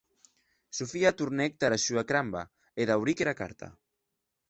Sofia tornèc tara sua cramba, e dauric era carta.